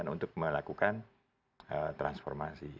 untuk melakukan transformasi